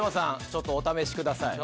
ちょっとお試しください。